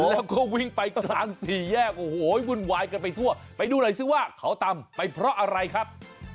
แล้วก็วิ่งไปกลางสี่แยกโอ้โหวุ่นวายกันไปทั่วไปดูหน่อยซิว่าเขาตำไปเพราะอะไรครับ